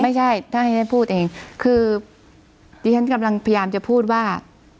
ไม่ใช่ถ้าให้ฉันพูดเองคือดิฉันกำลังพยายามจะพูดว่า